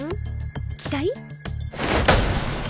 期待？